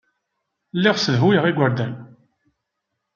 Lliɣ ssedhuyeɣ igerdan.